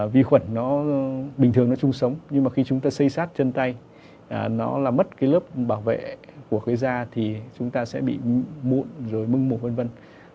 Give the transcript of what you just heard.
vi khuẩn nó bình thường nó chung sống nhưng mà khi chúng ta xây xác chân tay nó là mất cái lớp bảo vệ của cái da thì chúng ta sẽ bị mụn rồi mưng mụn vân vân